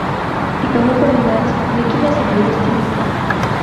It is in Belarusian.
І каго памінаць, з якімі асаблівасцямі?